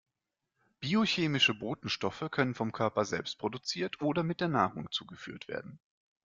Biochemische Botenstoffe können vom Körper selbst produziert oder mit der Nahrung zugeführt werden.